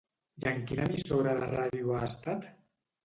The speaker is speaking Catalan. I en quina emissora de ràdio ha estat?